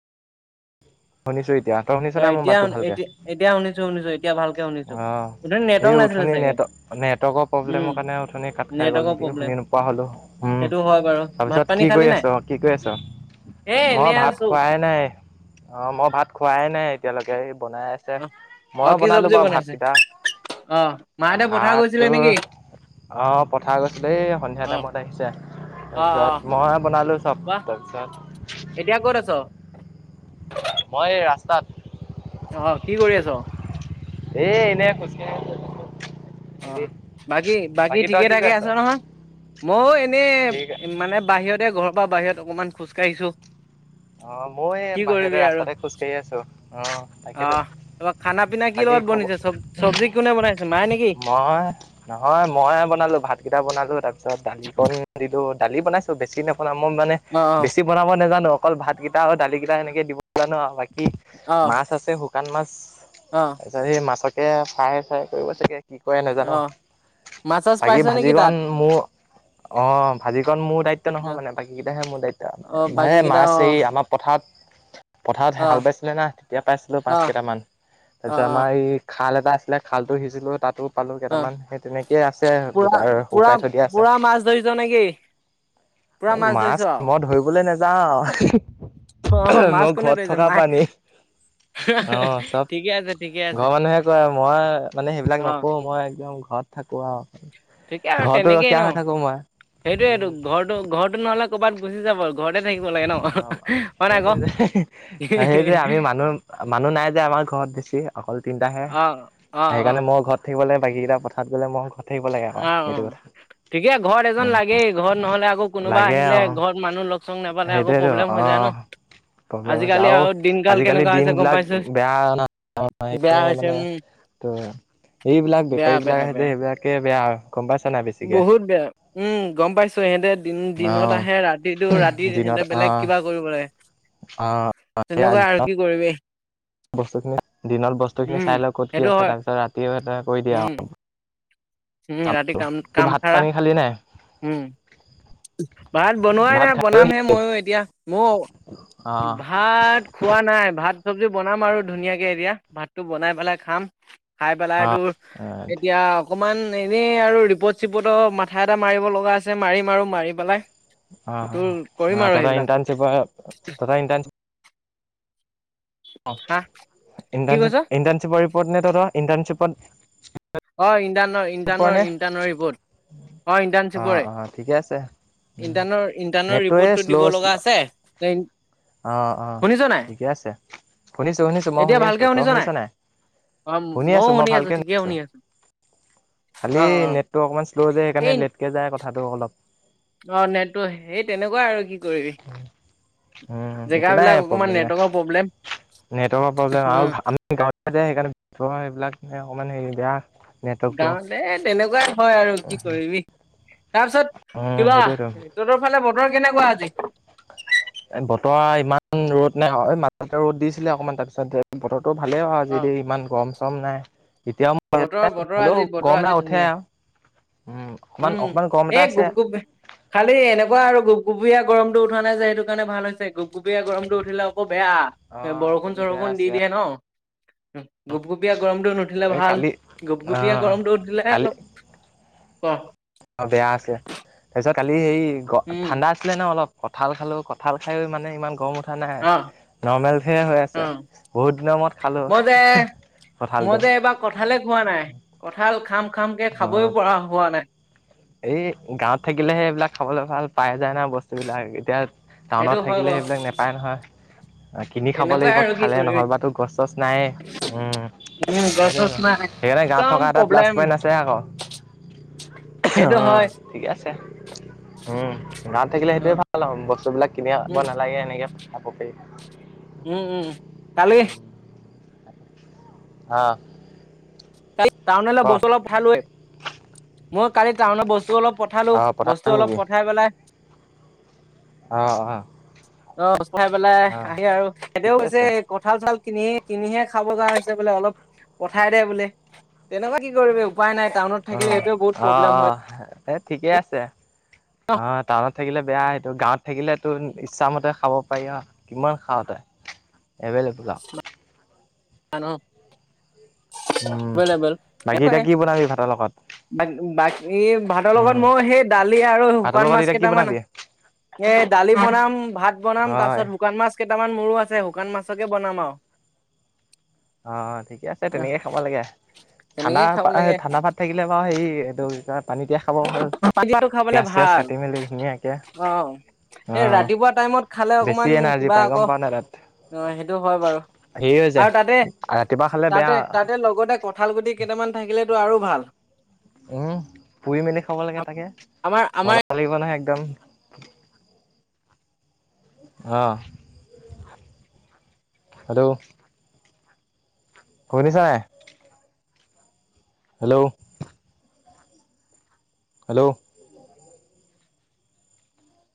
শুনিছো এতিয়া। তই শুনিছ অ নাই মোৰ এতিয়া মাতটো ভালকে এতিয়া এতিয়া শুনিছো শুনিছো এতিয়া ভালকে শুনিছো অঁ অথনি নেটৱৰ্ক এই নাছিলে উঠনি চাগে নেটত নেটৱৰ্কৰ উম প্ৰব্লেমৰ কাৰণে অথনি কাট খাই গ'ল নেটৱৰ্কৰ নেকি শুনি প্ৰব্লেম নোপোৱা হ'লোঁ উম। সেইটো হয় বাৰু ভাত তাৰপিছত পানী কি খালি কৰি আছ নাই অঁ কি কৰি আছ এ মই এনে ভাত আছো খোৱাই নাই। অ' মই ভাত খোৱাই নাই এতিয়ালৈকে এই বনাই আছে অ অ মইয়ে কি বনালো চব্জি বাৰু বনাইছে ভাতকেইটা। অ মাহঁতে পথাৰ ভাত গৈছিলে তোৰ নেকি অ' পথাৰ গৈছে সেই সন্ধিয়া অ টাইমত আহিছে। অ তাৰ অ পিছত মই বনালো চব বাহ তাৰ পিছত এতিয়া ক'ত আছ? মই এই ৰাস্তাত। অ, কি কৰি আছ? এ, এনেই, খুচ কাঢ়ি [inaudible] অ, বাকী, বাকী ঠিকে, কি কৰি থাকে আছ আছে, নহয়। মইও ঠিক এনেই মানে বাহিৰতে ঘৰৰ পৰা বাহিৰত অকমান খোজকাঢ়িছো। অ' মই বাহিৰতে ৰাস্তাতে খোজকাঢ়ি আছো অ' তাকেতো। ত খানা পিনা কি বাকী লগত খবৰ বনিছে চব চব্জি কোনে বনাইছে মায় নেকি? মই নহয় মই বনালো ভাতকেইটা বনালো তাৰপিছত দালিকণ দিলো দালি বনাইছো। বেছি নবনাওঁ মই মানে অ বেছি বনাব নাজানো অকল ভাত কেইটা আৰু দালি কেইটা এনেকে দিব জানো আৰু বা কি মাছ আছে শুকান মাছ। অঁ। আজি মাছকে ফ্ৰাই চাই কৰিব চাগে কি কৰে নাজানো। অ', মাছ চাছ বাকী পাইছা নেকি তাত? ভাজিকণ মোৰ অ' ভাজিকণ মোৰ দায়িত্ব নহয় অ', মানে বাকী কেইটাহে মোৰ অ', দায়িত্ব মে বাকী কেইটা মাছ এই অ', আমাৰ পথাৰত পথাৰত হাল অ', বাইছিলে না তেতিয়া পাইছিলো মাছ অ', কেইটামান তাৰ অ', পিছত অ', আমাৰ এই খাল এটা আছিলে, খালটো সিঁজিলো তাতো পালো অ', কেইটামান সেই তেনেকেই আছে পুৰা গোটাই পুৰা শুকাই থৈ দিয়া আছে। পুৰা মাছ ধৰিছ নেকি? পুৰা এ ধৰিছ মাছ অ', মই ধৰিবলৈ নাযাওঁ। মাছ মই কোনে ঘৰত ধৰিছে থকা মায়ে প্ৰাণী। অ' চব ঠিকে আছে ঠিকে আছে ঘৰৰ মানুহে কয়, মই মানে সেইবিলাক অ', নকৰোঁ, মই একদম ঘৰত থাকোঁ আৰু। ঠিকেই আৰু ঘৰতো তেনেকেই ৰখীয়া হৈ ন', থাকো মই সেইটোৱেটো উম ঘৰটো-ঘৰটো নহ'লে ক'ৰবাত গুচি যাব। ঘৰতে থাকিব লাগে অ ন' হয় নাই সেইটোৱে সেইটোৱে আমি কহ। মানুহ মানুহ নাই যে আমাৰ ঘৰত বেছি অকল তিনিটাহে অ', অ', সেইকাৰণে অ', মইও ঘৰত থাকিব লাগে বাকীকেইটা পথাৰত গ'লে মই ঘ অ', অ' ঠিকে ঘৰত এজন লাগেই ঘৰত নহ'লে আকৌ কোনোবা আহিলে ঘৰত মানুহ লগ চগ নাপালে আকৌ সেইটোৱেটো প্ৰব্লেম হৈ অহ', যায় ন অহ'। প্ৰব্লেম হৈছে আজিকালি আৰু দিনকাল আজিকালি কেনেকুৱা দিন হৈছে গম বিলাক পাইছো বেয়া ন'। অ' বেয়া সেইকাৰণে হৈছে মানে, উম ত' এইবিলাক বেয়া বেপাৰী বিলাক বেয়া আহে যে বেয়া সেইবিলাকে বেয়া আৰু। বহুত বেয়া উম, গম পাইছো চ' সিহঁতে অ দিন-দিনত আহে, ৰাতিটো ৰাতি দিনত সিহঁতে অ বেলেগ কিবা কৰিব পাৰে। অ সেয়া তেনেকুৱা আৰু কি কৰিবি। বস্তুখিনি দিনত বস্তুখিনি উম চাই লয় ক'ত কি সেইটো আছে, হয় তাৰপিছত ৰাতি হৈ তাত কৰি দিয়ে উম আৰু। উম, ৰাতি কাম-কাম ভাত পানী খাৰা খালি নাই? উম। ভাত বনোৱাই ভাত নাই খালি বনামহে নেকি মইও এতিয়া, মইও ভাত অ ভাত খোৱা নাই ভাত, চব্জি বনাম আৰু ধুনীয়াকে এতিয়া ভাতটো বনাই পেলাই খাম। খাই পেলাই অ তোৰ অ এতিয়া অকমান এনেই আৰু ৰিপৰ্ট চিপৰ্টো মাথা এটা মাৰিব লগা আছে, মাৰিম আৰু মাৰি পেলাই তোৰ কৰিম আৰু সেইবিলাক। কিবা [inaudible] ইণ্টাৰ্ণশিপ হা কি কৈছ ইণ্টাৰ্ণশ্বিপ-ইণ্টাৰ্ণশ্বিপৰ ৰিপৰ্ট নে, তহঁতৰ ইণ্টাৰ্ণশ্বিপত অ' পৰে নে ইণ্টানৰ-ইণ্টানৰ-ইণ্টানৰ ৰিপৰ্ত। অ', অ' ঠিকে আছে। ইণ্টাৰ্ণৰ ইণ্টাৰ্ণৰ নেটটোৱে ৰিপৰ্টটো দিব শ্ল' লগা আছে অ', অ' শুনিছ নাই ঠিকে আছে। শুনিছো শুনিছো মই শুনি আছো তই শুনিছ নাই। অ' মইও মই শুনি আছো, ভালকে ঠিকে শুনিছো শুনি আছো। খালি অ অ নেটটো অকণমান শ্ল' যে, এই সেইকাৰণে লেটকে যায় কথাটো অলপ। অ', নেটটো সেই তেনেকুৱা আৰু কি কৰিবি। উম উম। একো নাই, জেগাবিলাক অকমান প্ৰব্লেম নাই, নেটৱৰ্কৰ প্ৰব্লেম নেটৱৰ্কৰ প্ৰব্লেম আৰু আমি গাঁৱত থাকো যে, সেইকাৰণে এইবিলাক মানে অকণমান হেৰি বেয়া। নেটৱৰ্কটো গাঁৱত হেই তেনেকুৱাই হয় আৰু কি কৰিবি, তাৰপিছত উম কিবা সেইটোয়েতো তহঁতৰ ফালে বতৰ কেনেকুৱা আজি? এ বতৰা ইমান ৰ'দ নাই আৰু মাজতে ৰ'দ দিছিলে, অকণমান তাৰপিছত হেই বতৰ টো ভালেই আৰু আজি অ দেই, ইমান গৰম চৰম নাই তেতিয়াও মোৰ বতৰ বতৰ হ'লেও আজি বতৰ গম আজি এটা উঠে ধুনীয়া আৰু। উম, উম, অকমান-অকমান গৰম এই এটা গুপ আছে। গুপ খালি এনেকুৱা আৰু গুপগুপুৰীয়া গৰমটো উঠা নাই যে, সেইটো কাৰণে ভাল হৈছে গুপগুপুৰীয়া গৰমটো উঠিলে আকৌ অ বেয়া। বৰষুণ সেইটো বেয়া চৰষুণ দি আছে দিয়ে ন'। গুপগুপীয়া গৰমটো নুঠিলে এই ভাল, কালি গুপগুপীয়া আহ গৰমটো উঠিলে অলপ গৰম। অ বেয়া আছে তাৰপিছত কালি সেই গ উম, ঠাণ্ডা আছ আছিলে ন অলপ কঠাল খালো কঁঠাল খাইও মানে ইমান গম উঠ ঠা নাই অ', নৰ্মেল হে হৈ আছে অ', বহুত দিনৰ মূৰত খালো কঁঠালটো কঠালে খোৱা নাই কঠাল খাম খাম কে অ খাবই পৰা হোৱা নাই এই গাঁৱত থাকিলেহে এইবিলাক খাবলে ভাল পাই যায় না বস স্তুবিলাক এতিয়া টাউনত সেইটো হয় থাকিলে বাৰু সেইবিলাক নেপায় নহয় আ কিনি খাব তেনেকুৱাই লাগিব আৰু কি খালে কৰিবি। নহলেবাতো গছ চছ নাই উম উম, গছ চছ সেইটোয়েটো নাই সেইকাৰণে গাঁৱত একদম থকা এটা প্লাছ প্ৰব্লেম পইণ্ট আছে আকৌ সেইটো অঁ হয় ঠিকে আছে উম গাঁৱত থাকিলে সেইটোৱে অ', ভাল আউ বস্তুবিলাক কিনি আ ব উম, নালাগে এনেকে খাব পাৰি উম উম কালি আহ কালি টাউনলে ক বস্তু অলপ ভৱালোৱে মই কালি টাউনৰ বস্তু অলপ পঠালো আহ পঠালা বস্তু অলপ নেকি? পঠাই পেলাই অ অহা অ চাই পেলাই আহে আৰু এতিয়াও ঠিকে আছে হৈছে কঁঠাল চঠাল কিনি কিনিহে খাব জা হৈছে বোলে অলপ পঠাই দে বোলে তেনেকুৱা কি কৰিবি উপায় নাই টাউনত অ থাকিলে এইটোৱে বহুত অ প্ৰব্লেম অ হয় এই ঠিকেই আছে অঁ টাউনত থাকিলে বেয়া সেইটো গাঁৱত থাকিলেতোন ইচ্ছামতে খাব পাৰি ন কিমান খাওঁ তই এভেইলেবল আউ আনো উম বাকী এতিয়া কি বনাবি ভাতৰ লগত বাক বাক এই ভাতৰ উম লগত মই সেই দালি আৰু ভাতৰ শুকান লগত মাছ এতিয়া কি কেইটামান বনাবি এ দালি বনাম ভাত বনাম তাৰ হয় পিছত শুকান মাছ কেইটামান মৰো আছে শুকান মাছকে বনাম আউ অ ঠিকে আছে আৰু তেনেকে খাব লাগে ঠাণ্ডা তেনেকেই পা খাব এই লাগে ঠাণ্ডা ভাত থাকিলে বাউ হেই এইটো কি কয় পানীতিয়া পানীয়াটো খাবলে ভাল মেলি ধুনীয়াকে অ এই অ' ৰাতিপুৱা টাইমত খালে বেছি অকমান এনাৰ্জি কিবা পাই গম আকৌ পাৱ নাই তাত। অ সেইটো হয় বাৰু হেৰি হৈ আৰু যায় তাতে তে ৰাতিপুৱা খালে বেয়া তাতে তাতে লগতে কঁঠাল গুটি কেইটামান থাকিলেটো আৰু ভাল অ পুৰি মেলি খাব লাগে তাকে আমাৰ আমাৰ মজা লাগিব নহয় একদম আহ হেল্ল শুনিছা নাই হেল্ল'- হেল্ল'